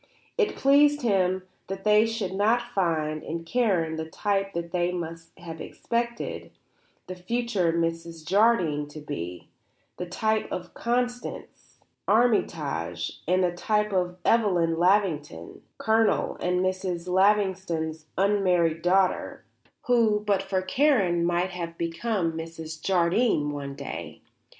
It pleased him that they should not find in Karen the type that they must have expected the future Mrs. Jardine to be, the type of Constance Armytage and the type of Evelyn Lavington, Colonel and Mrs. Lavington's unmarried daughter, who, but for Karen, might well have become Mrs. Jardine one day.